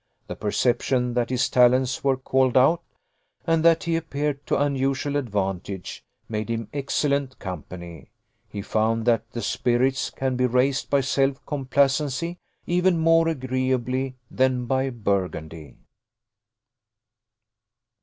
The perception that his talents were called out, and that he appeared to unusual advantage, made him excellent company: he found that the spirits can be raised by self complacency even more agreeably than by burgundy.